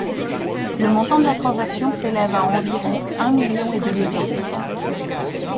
Le montant de la transaction s'élève à environ un million et demi d'euros.